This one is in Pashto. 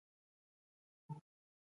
ځینې سندرې د وطن مینه راژوندۍ کوي.